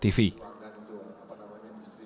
tim liputan kompas tv